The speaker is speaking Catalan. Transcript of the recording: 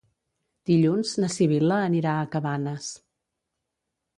Dilluns na Sibil·la anirà a Cabanes.